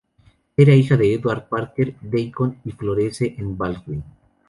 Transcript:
Era hija de Edward Parker Deacon y de Florence Baldwin.